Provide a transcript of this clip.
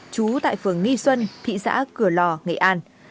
trú tại phường nghi xuân thị xã cửa lò nghệ an